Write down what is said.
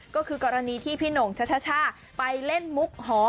ก็คือกรณีที่พี่หน่งช่าไปเล่นมุกหอม